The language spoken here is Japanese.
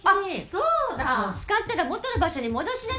もう使ったら元の場所に戻しなさい。